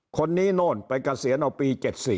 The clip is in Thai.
คนนี้โน่นไปเกษียณเอาปี๑๙๗๔